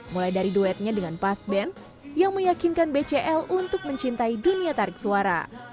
mulai dari duetnya dengan pasben yang meyakinkan bcl untuk mencintai dunia tarik suara